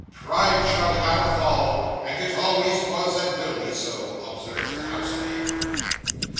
"Pride shall have a fall, and it always was and will be so!" observes the housemaid.